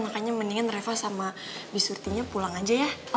makanya mendingan reva sama bisurtinya pulang aja ya